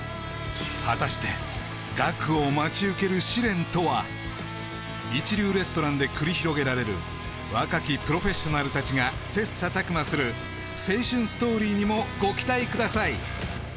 果たして岳を待ち受ける試練とは一流レストランで繰り広げられる若きプロフェッショナルたちが切磋琢磨する青春ストーリーにもご期待ください